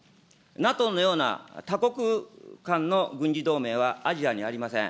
ＮＡＴＯのような多国間の軍事同盟はアジアにありません。